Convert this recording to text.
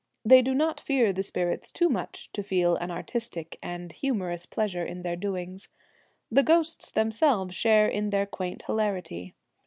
They do not fear the spirits too much to feel an artistic and humorous pleasure in their doings. The ghosts themselves share in their quaint hilarity.